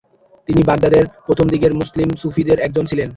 তিনি বাগদাদের প্রথমদিকের মুসলিম সুফিদের একজন ছিলেন।